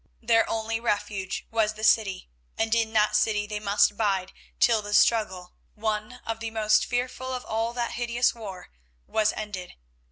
Their only refuge was the city, and in that city they must bide till the struggle, one of the most fearful of all that hideous war, was ended.